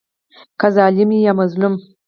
که ظالم وي یا مظلوم.